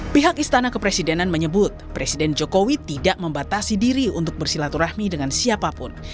pihak istana kepresidenan menyebut presiden jokowi tidak membatasi diri untuk bersilaturahmi dengan siapapun